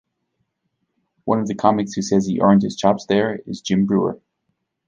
One of the comics who says he "earned his chops" there is Jim Breuer.